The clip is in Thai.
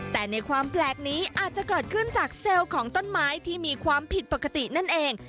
แต่ในความแปลกนี้อาจจะเกิดขึ้นจากเซลล์ของต้นไม้ที่มีความผิดปกตินั่นเอง